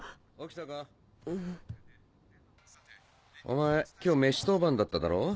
お前今日メシ当番だっただろう？